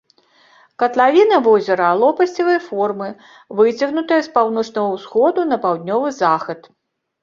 Катлавіна возера лопасцевай формы, выцягнутая з паўночнага ўсходу на паўднёвы захад.